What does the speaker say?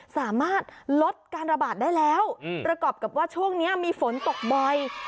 สามารถลดการระบาดได้แล้วประกอบกับว่าช่วงนี้มีฝนตกบ่อย